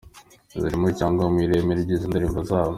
zirimo cyangwa mu ireme ryizi ndirimbo zabo.